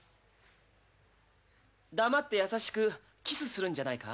黙って優しくキスするんじゃないか？